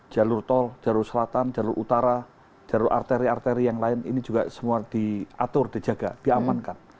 jalur tol jalur selatan jalur utara jalur arteri arteri yang lain ini juga semua diatur dijaga diamankan